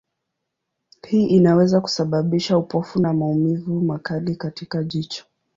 Hii inaweza kusababisha upofu na maumivu makali katika jicho.